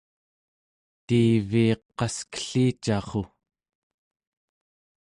tiiviiq qaskellicarru!